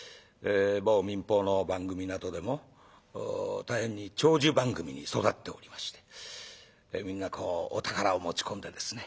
某民放の番組などでも大変に長寿番組に育っておりましてみんなお宝を持ち込んでですね